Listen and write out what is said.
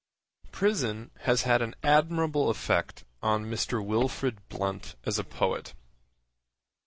Prison has had an admirable effect on Mr. Wilfrid Blunt as a poet.